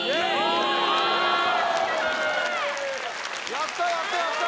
やったやったやった！